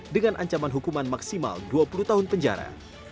dengan ancaman hukuman maksimal dua puluh tahun penjara